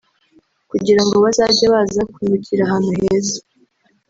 kugira ngo bazajye baza kubibukira ahantu heza